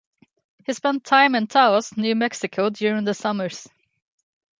He spent time in Taos, New Mexico during the summers.